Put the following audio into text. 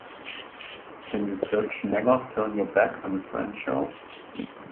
Can you search Never Turn Your Back on a Friend show?